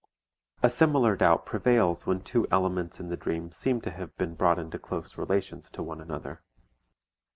A similar doubt prevails when two elements in the dream seem to have been brought into close relations to one another.